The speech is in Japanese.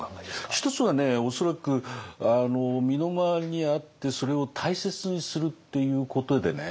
一つはね恐らく身の回りにあってそれを大切にするっていうことでね